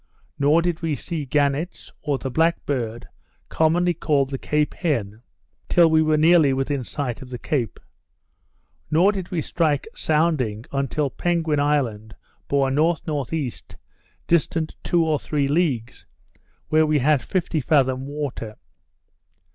Nor did we see gannets, or the black bird, commonly called the Cape Hen, till we were nearly within sight of the Cape. Nor did we strike sounding till Penguin Island bore N.N.E., distant two or three leagues, where we had fifty fathom water.